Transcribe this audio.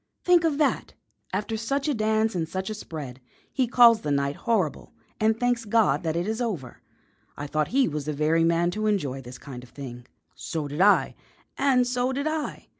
Think of that! After such a dance and such a spread, he calls the night horrible and thanks God that it is over. I thought he was the very man to enjoy this kind of thing." "So did I." "And so did I."